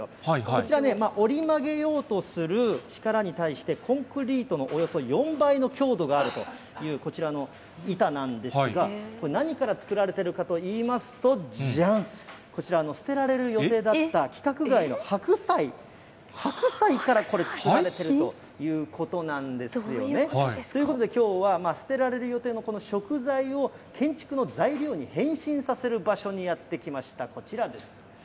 こちら、折り曲げようとする力に対して、コンクリートのおよそ４倍の強度があるという、こちらの板なんですが、何から作られてるかといいますと、じゃん、こちらの捨てられる予定だった規格外の白菜、白菜からこれ、作られているということなんですよね。ということで、きょうは捨てられる予定のこの食材を建築の材料に変身させる場所にやってまいりました、こちらです。